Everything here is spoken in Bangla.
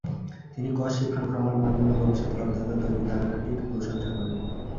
তিনি কর শিক্ষণ ফোরামের মাধ্যমে ভবিষ্যৎ করদাতা তৈরির ধারণাটির প্রশংসা করেন।